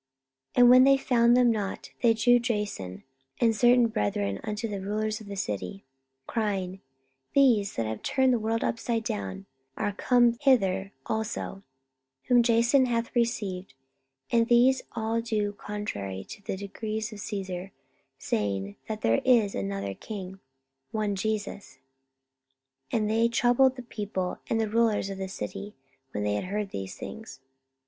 44:017:006 And when they found them not, they drew Jason and certain brethren unto the rulers of the city, crying, These that have turned the world upside down are come hither also; 44:017:007 Whom Jason hath received: and these all do contrary to the decrees of Caesar, saying that there is another king, one Jesus. 44:017:008 And they troubled the people and the rulers of the city, when they heard these things.